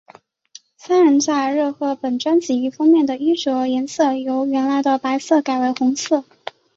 三人在热贺本专辑封面的衣着颜色由原来的白色改为红色。